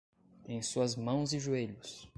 Em suas mãos e joelhos!